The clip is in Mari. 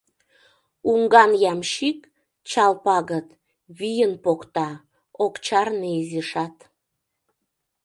Уҥган ямщик — чал пагыт — вийын Покта, ок чарне изишат.